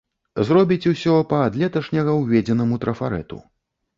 Зробіць усё па ад леташняга ўведзенаму трафарэту.